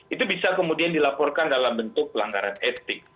itu bisa kemudian dilaporkan dalam bentuk pelanggaran etik